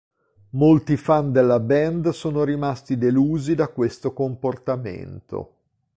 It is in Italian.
Molti fan della band sono rimasti delusi da questo comportamento.